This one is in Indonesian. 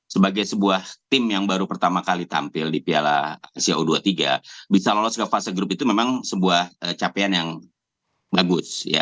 sebagai sebuah tim yang baru pertama kali tampil di piala asia u dua puluh tiga bisa lolos ke fase grup itu memang sebuah capaian yang bagus